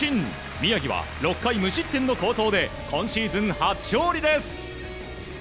宮城は６回無失点の好投で今シーズン初勝利です！